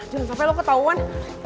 jangan sampe lo ketauan